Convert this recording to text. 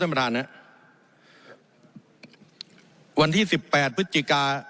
ประธานฮะวันที่สิบแปดพฤศจิกา